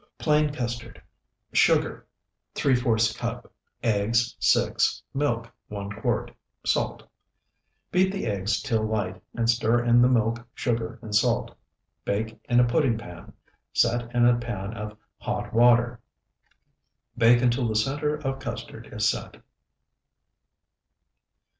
PLAIN CUSTARD Sugar, ¾ cup. Eggs, 6. Milk, 1 quart. Salt. Beat the eggs till light, and stir in the milk, sugar, and salt. Bake in a pudding pan; set in a pan of hot water. Bake until the center of custard is set.